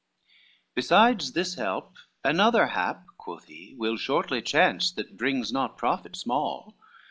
XIII "Besides this help, another hap," quoth he, "Will shortly chance that brings not profit small.